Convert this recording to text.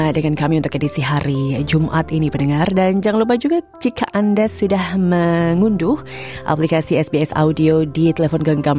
dan jangan lupa juga jika anda sudah mengunduh aplikasi sbs audio di telepon genggam